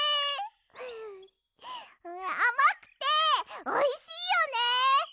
フフッあまくておいしいよね。